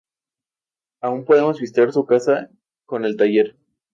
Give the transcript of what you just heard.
Hoy aún podemos visitar su casa con el taller.